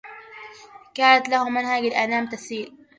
كادت له مهج الأنام تسيل